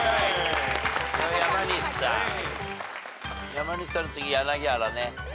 山西さんの次柳原ね。